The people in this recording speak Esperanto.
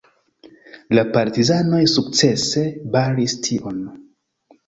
La partizanoj sukcese baris tion.